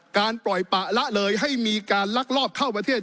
ปล่อยปะละเลยให้มีการลักลอบเข้าประเทศ